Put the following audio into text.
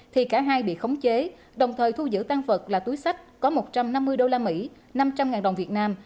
thì cả hai bị khống chế đồng thời thu giữ tăng vật là túi sách có một trăm năm mươi đô la mỹ năm trăm linh ngàn đồng việt nam